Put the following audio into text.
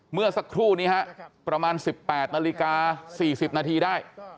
เมื่อสักครู่นี้ฮะประมาณ๑๘นาฬิกา๔๐นาทีได้